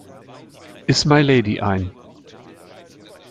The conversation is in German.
Is My Lady" ein.